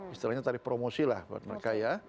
istilahnya tarif promosi lah buat mereka ya